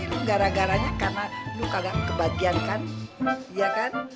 eh lu gara garanya karena lu kagak kebagiankan iya kan